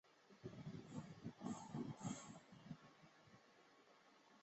现在则改建成住宅。